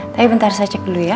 tapi bentar saya cek dulu ya